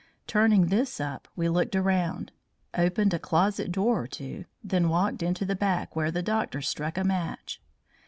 Turning this up we looked around, opened a closet door or two, then walked into the back, where the doctor struck a match.